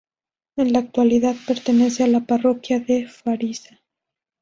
En la actualidad pertenece a la parroquia de Fariza.